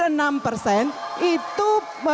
hampir enam persen itu